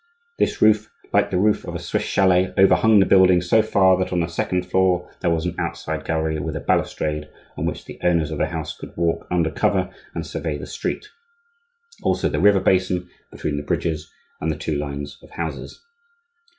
This roof, like the roof of a Swiss chalet, overhung the building so far that on the second floor there was an outside gallery with a balustrade, on which the owners of the house could walk under cover and survey the street, also the river basin between the bridges and the two lines of houses.